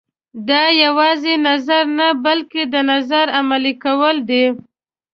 دا یوازې نظر نه بلکې د نظر عملي کول دي.